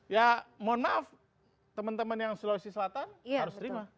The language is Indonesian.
ya mohon maaf teman teman yang sulawesi selatan harus terima